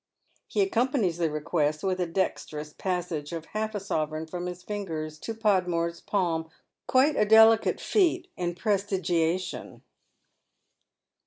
He accompanies the request with a dexterous passage of half a sovereign from his fingers to Podmore's palm — quite a delicatft feat in prestigiation.